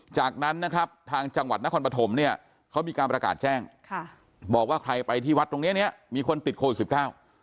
จากนั้นนะครับทางจังหวัดนครปฐมเนี่ยเขามีการประกาศแจ้งค่ะบอกว่าใครไปที่วัดตรงเนี้ยเนี้ยมีคนติดโควิดสิบเก้า